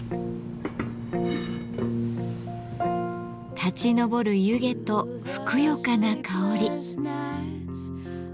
立ち上る湯気とふくよかな香り。